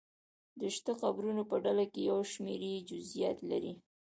د شته قبرونو په ډله کې یو شمېر یې جزییات لري.